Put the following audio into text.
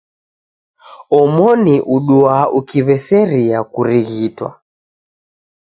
Omoni uduaa ukiw'eseria kurighitwa.